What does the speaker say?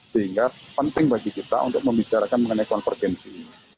sehingga penting bagi kita untuk membicarakan mengenai konvergensi